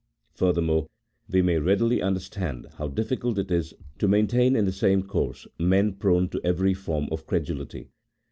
Furthermore, we may readily under stand how difficult it is, to maintain in the same course men prone to every form of credulity.